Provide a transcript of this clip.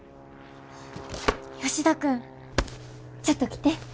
吉田君ちょっと来て。